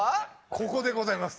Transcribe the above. ここでございます。